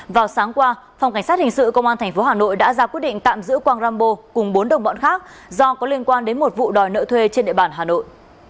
vào sáng qua phòng cảnh sát hình sự công an tp hà nội đã ra quyết định tạm giữ quang rambo cùng bốn đồng bọn khác do có liên quan đến một vụ đòi nợ thuê trên địa bàn hà nội